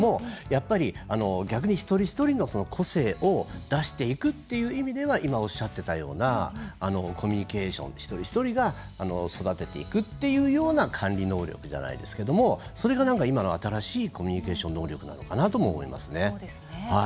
やっぱり逆に一人一人の個性を出していくという意味では今おっしゃってたようなコミュニケーション、一人一人が育てていくっていうような管理能力じゃないですけどもそれがなんか今の新しいコミュニケーション能力なのかなとも思いますね。